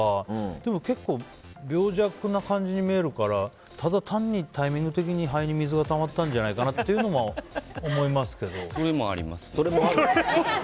でも結構病弱な感じに見えるからただ単にタイミング的に、肺に水がたまったんじゃないかなともそれもあります。